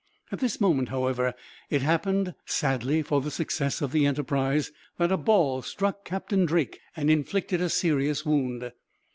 At this moment, however, it happened, sadly for the success of the enterprise, that a ball struck Captain Drake, and inflicted a serious wound.